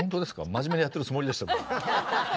真面目にやってるつもりでしたけど。